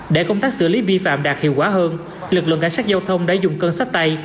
để công tác xử lý vi phạm đạt hiệu quả hơn lực lượng cảnh sát giao thông đã dùng cân sách tay